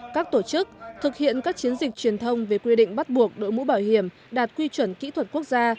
các tổ chức thực hiện các chiến dịch truyền thông về quy định bắt buộc đội mũ bảo hiểm đạt quy chuẩn kỹ thuật quốc gia